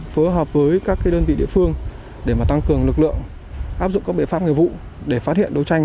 phối hợp với các đơn vị địa phương để tăng cường lực lượng áp dụng các biện pháp nghiệp vụ để phát hiện đấu tranh